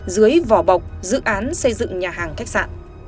dưới vỏ bọc dự án xây dựng nhà hàng khách sạn